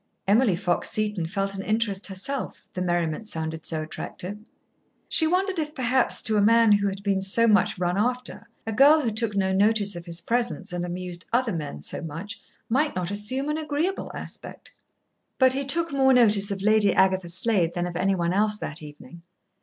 Emily Fox Seton felt an interest herself, the merriment sounded so attractive. She wondered if perhaps to a man who had been so much run after a girl who took no notice of his presence and amused other men so much might not assume an agreeable aspect. But he took more notice of Lady Agatha Slade than of any one else that evening.